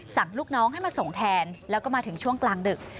ลูกน้องให้มาส่งแทนแล้วก็มาถึงช่วงกลางดึก